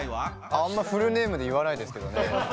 あんまフルネームで言わないですけどね。